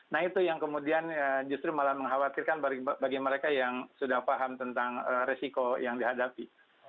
nah itu yang kemudian justru malah mengkhawatirkan bagi mereka yang sudah paham tentang resiko yang dihadapi